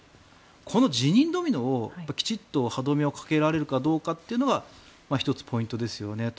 この辞任ドミノをきちんと歯止めをかけられるかどうかは１つポイントですよねと。